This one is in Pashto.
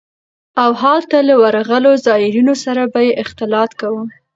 او هلته له ورغلو زايرينو سره به يې اختلاط کاوه.